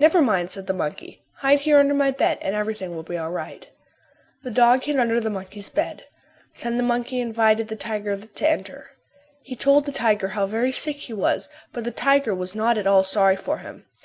"Never mind," said the monkey. "Hide here under my bed and everything will be all right." The dog hid under the monkey's bed. Then the monkey invited the tiger to enter. He told, the tiger how very sick he was but the tiger was not at all sorry for him.